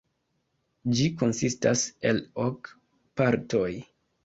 Ĝi konsistas el ok partoj.